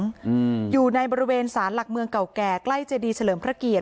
อืมอยู่ในบริเวณสารหลักเมืองเก่าแก่ใกล้เจดีเฉลิมพระเกียรติ